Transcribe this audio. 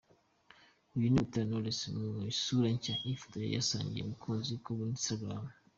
Uyu ni Butera Knowless mu isura nshya y’ifoto yasangije abakunzi be kuri Instagram.